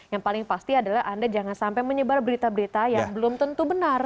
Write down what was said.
yang paling pasti adalah anda jangan sampai menyebar berita berita yang belum tentu benar